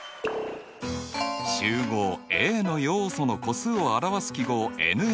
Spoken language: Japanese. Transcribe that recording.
集合Ａの要素の個数を表す記号